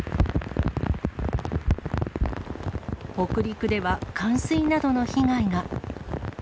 北陸では冠水などの被害が。